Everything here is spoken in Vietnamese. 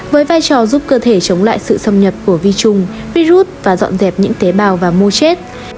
với vai trò giúp cơ thể chống lại sự xâm nhập của vi trùng virus và dọn dẹp những tế bào và mô chết